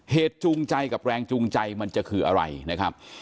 จูงใจกับแรงจูงใจมันจะคืออะไรนะครับ